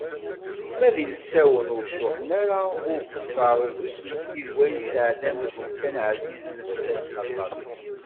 Ma d ilsawen ur cuḥḥen ara i uqesser d usmeki n wayen sɛeddan deg umkan-a ɛzizen fell-asen aṭas.